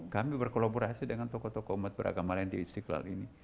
kami berkolaborasi dengan tokoh tokoh umat beragama lain di istiqlal ini